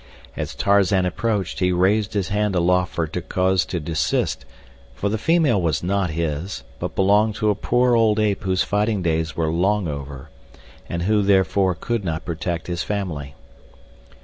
As Tarzan approached he raised his hand aloft for Terkoz to desist, for the female was not his, but belonged to a poor old ape whose fighting days were long over, and who, therefore, could not protect his family.